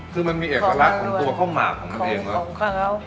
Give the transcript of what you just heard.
คือมันมีเอกลักษณ์ของตัวข้าวหมักของข้าวเขา